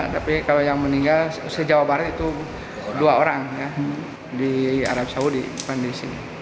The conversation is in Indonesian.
tapi kalau yang meninggal sejauh barat itu dua orang di arab saudi bukan di sini